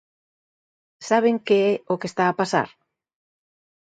¿Saben que é o que está a pasar?